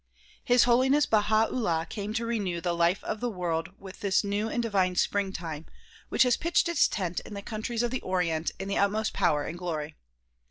His Holiness Baha 'Ullah came to renew the life of the world with this new and divine springtime which has pitched its tent in the countries of the Orient in the utmost power and glory.